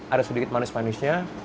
ada sedikit manis manisnya